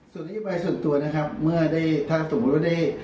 ส่วนดีใบส่วนตัวเมื่อท่านสมมติได้